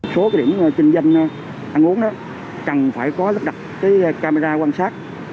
số điểm trinh danh ăn uống đó chẳng phải có lắp đặt camera quan sát